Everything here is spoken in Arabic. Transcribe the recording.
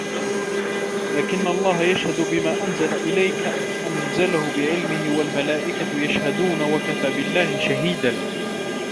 لكن الله يشهد بما أنزل إليك أنزله بعلمه والملائكة يشهدون وكفى بالله شهيدا